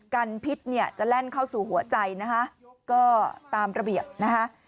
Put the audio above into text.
กันพิษเนี่ยจะแล่นเข้าสู่หัวใจนะคะก็ตามระเบียบนะคะ